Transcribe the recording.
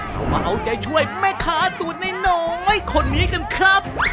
เรามาเอาใจช่วยแม่ค้าตัวน้อยคนนี้กันครับ